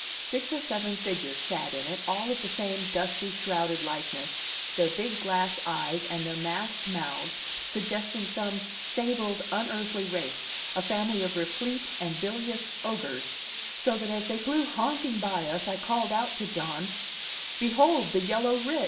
Six or seven figures sat in it, all of the same dusty, shrouded likeness, their big glass eyes and their masked mouths suggesting some fabled, unearthly race, a family of replete and bilious ogres; so that as they flew honking by us I called out to John: "Behold the yellow rich!"